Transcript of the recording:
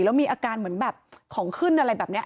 แล้วมีอาการเหมือนแบบของขึ้นอะไรแบบนี้